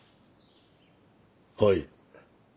はい。